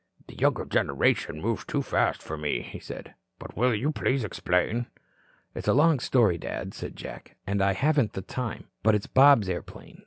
"The younger generation moves too fast for me," he said. "But will you please explain?" "It's a long story, Dad," said Jack, "and I haven't the time. But it's Bob's airplane.